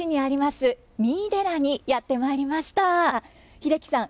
英樹さん